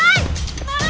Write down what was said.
malin jangan lupa